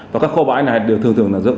và các kho bãi này đều thường thường dẫn